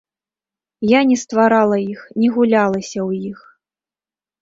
Я не стварала іх, не гулялася ў іх.